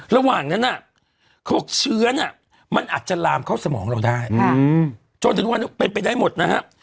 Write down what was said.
ระหว่างนั้นเขาบอกเชื้อน่ะมันอาจจะลามเข้าสมองเราได้จนถึงวันนี้เป็นไปได้หมดนะฮะ